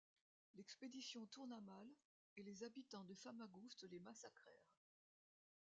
L'expédition tourna mal et les habitants de Famagouste les massacrèrent.